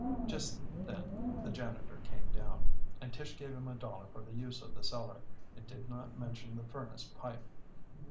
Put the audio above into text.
Just then the janitor came down, and Tish gave him a dollar for the use of the cellar and did not mention the furnace pipe.